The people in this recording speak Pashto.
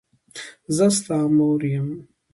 زه ستا مور یم.